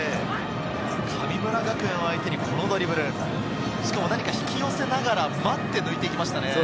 神村学園を相手にこのドリブル、しかも、何か引き寄せながら待って抜いていきましたね。